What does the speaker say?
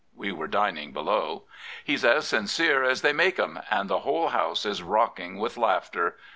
(We were dining below.) " He's as sincere as they make 'em, and the whole House is rocking with laughter.